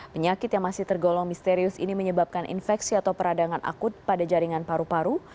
penyakit yang masih tergolong misterius ini menyebabkan infeksi atau peradangan akut pada jaringan paru paru